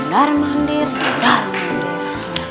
darah mengandir darah mengandir